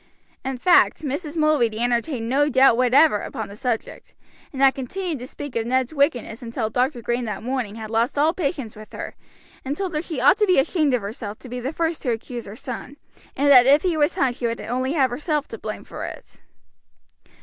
In fact Mrs. Mulready entertained no doubt whatever upon the subject, and had continued to speak of Ned's wickedness until Dr. Green that morning had lost all patience with her, and told her she ought to be ashamed of herself to be the first to accuse her son, and that if he was hung she would only have herself to blame for it.